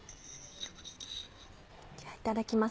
じゃあいただきます。